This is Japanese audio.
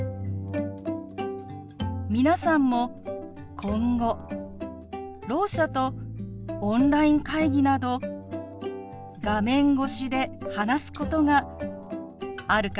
皆さんも今後ろう者とオンライン会議など画面越しで話すことがあるかもしれません。